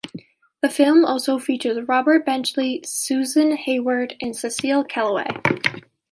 The film also features Robert Benchley, Susan Hayward and Cecil Kellaway.